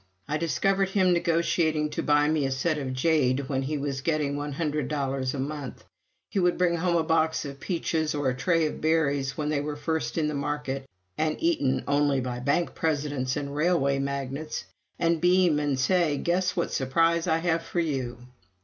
I discovered him negotiating to buy me a set of jade when he was getting one hundred dollars a month. He would bring home a box of peaches or a tray of berries, when they were first in the market and eaten only by bank presidents and railway magnates, and beam and say, "Guess what surprise I have for you!"